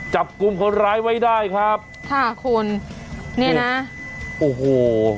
จับกลุ่มคนร้ายไว้ได้ครับค่ะคุณเนี่ยนะโอ้โห